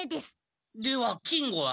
では金吾は？